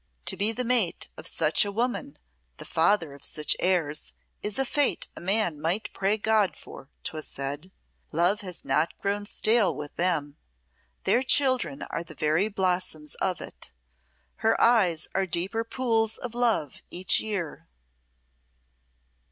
"To be the mate of such a woman, the father of such heirs, is a fate a man might pray God for," 'twas said. "Love has not grown stale with them. Their children are the very blossoms of it. Her eyes are deeper pools of love each year."